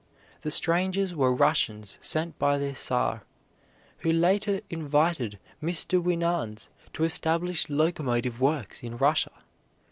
The strangers were Russians sent by their Czar, who later invited Mr. Winans to establish locomotive works in Russia.